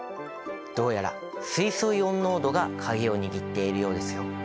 どうやら水素イオン濃度が鍵を握っているようですよ。